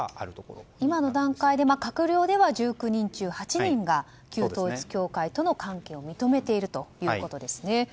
今の段階で閣僚では１９人中８人が旧統一教会との関係を認めているということですね。